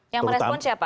yang merespon siapa